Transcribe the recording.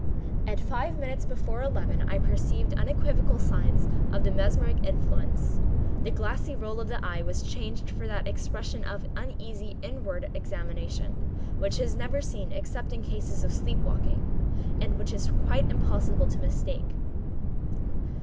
At five minutes before eleven I perceived unequivocal signs of the mesmeric influence. The glassy roll of the eye was changed for that expression of uneasy inward examination which is never seen except in cases of sleep waking, and which it is quite impossible to mistake.